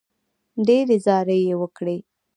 ډېرې زارۍ یې وکړې.